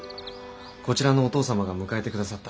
こちらのお義父様が迎えて下さった。